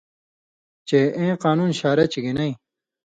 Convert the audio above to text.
چے ایں قانُون شارہ چھی گی نَیں۔